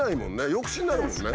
抑止になるもんね。